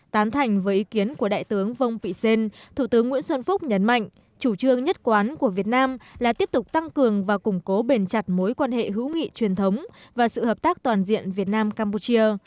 tán thành với ý kiến của đại tướng vông pị xên thủ tướng nguyễn xuân phúc nhấn mạnh chủ trương nhất quán của việt nam là tiếp tục tăng cường và củng cố bền chặt mối quan hệ hữu nghị truyền thống và sự hợp tác toàn diện việt nam campuchia